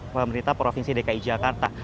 pemerintah provinsi dki jakarta